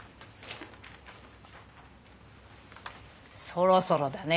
そろそろだね。